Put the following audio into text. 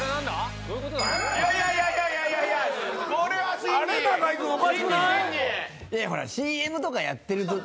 いやほらＣＭとかやってる時。